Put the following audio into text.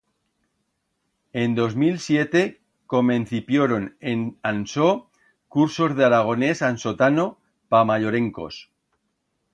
En dos mil siete comencipioron en Ansó cursos d'aragonés ansotano pa mayorencos.